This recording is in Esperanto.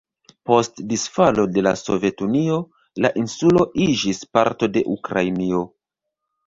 Post disfalo de la Sovetunio, la insulo iĝis parto de Ukrainio.